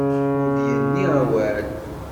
Ur d-yenni awal.